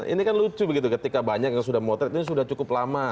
ini kan lucu begitu ketika banyak yang sudah memotret ini sudah cukup lama